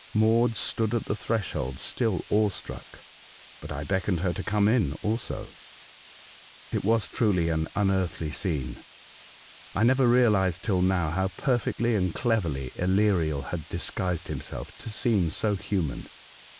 Maud stood at the threshold still awe struck, but I beckoned her to come in also. It was truly an unearthly scene. I never realised till now how perfectly and cleverly Aleriel had disguised himself to seem so human.